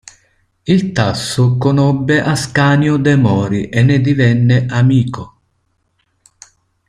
Il Tasso conobbe Ascanio de' Mori e ne divenne amico.